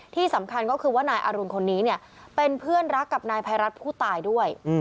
ที่สำคัญก็คือว่านายอรุณคนนี้เนี่ยเป็นเพื่อนรักกับนายภัยรัฐผู้ตายด้วย